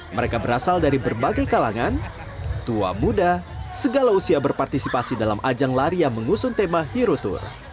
mereka berasal dari berbagai kalangan tua muda segala usia berpartisipasi dalam ajang lari yang mengusung tema hero tour